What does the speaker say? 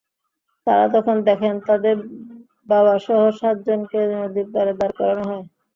তাঁরা তখন দেখেন, তাঁদের বাবাসহ সাতজনকে নদীর পাড়ে দাঁড় করানো হয়।